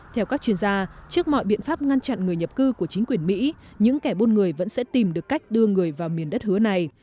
theo các chuyên gia trước mọi biện pháp ngăn chặn người nhập cư của chính quyền mỹ những kẻ buôn người vẫn sẽ tìm được cách đưa người vào miền đất hứa này